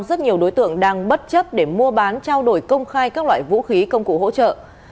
rất nhiều đối tượng đang bất chấp để mua bán trao đổi công khai các loại vũ khí công cụ hỗ trợ